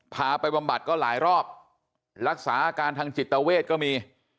พาไปบำบัดก็หลายรอบรักษาอาการทางจิตเวทก็มี